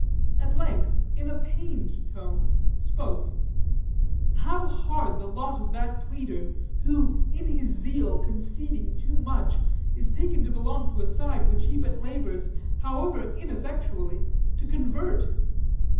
At length, in a pained tone, spoke: "How hard the lot of that pleader who, in his zeal conceding too much, is taken to belong to a side which he but labors, however ineffectually, to convert!"